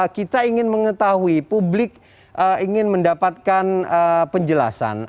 kita ingin mengetahui publik ingin mendapatkan penjelasan